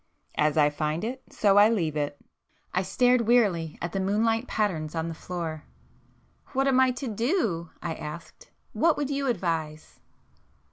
As I find it, so I leave it!" I stared wearily at the moonlight patterns on the floor. "What am I to do?" I asked—"What would you advise?"